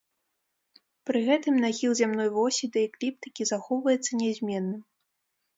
Пры гэтым нахіл зямной восі да экліптыкі захоўваецца нязменным.